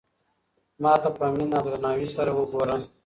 ما ته په مینه او درناوي سره وگوره.